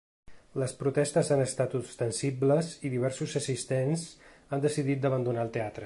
Les protestes han estat ostensibles i diversos assistents han decidit d’abandonar el teatre.